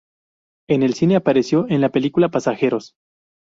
En el cine, apareció en la película "Pasajeros".